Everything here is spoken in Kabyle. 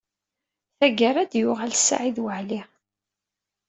Tagara, ad d-yuɣal Saɛid Waɛli.